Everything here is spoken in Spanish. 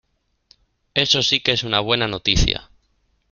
Eso sí que es una buena noticia.